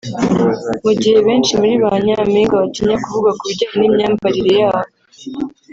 Mu gihe benshi muri ba nyampinga batinya kuvuga ku bijyanye n’imyambarire yabo